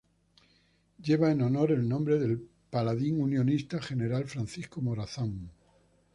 Lleva en honor el nombre del paladín unionista General Francisco Morazán.